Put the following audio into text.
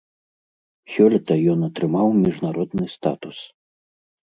Сёлета ён атрымаў міжнародны статус.